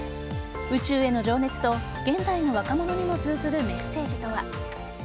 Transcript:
宇宙への情熱と現代の若者にも通ずるメッセージとは。